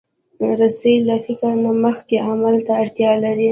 رسۍ له فکر نه مخکې عمل ته اړتیا لري.